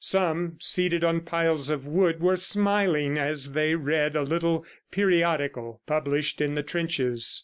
Some, seated on piles of wood, were smiling as they read a little periodical published in the trenches.